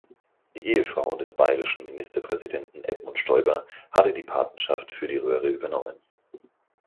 Die Ehefrau des bayerischen Ministerpräsidenten Edmund Stoiber hatte die Patenschaft für die Röhre übernommen.